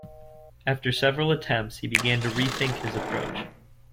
After several attempts, he began to rethink his approach.